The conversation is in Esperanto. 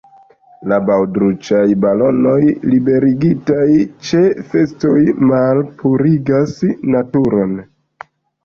La baŭdruĉaj balonoj liberigitaj ĉe festoj malpurigas naturon.